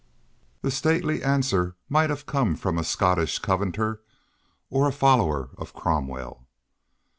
The stately answer might have come from a Scottish Covenanter or a follower of Cromwell.